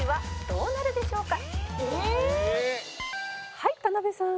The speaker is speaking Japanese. はい田辺さん。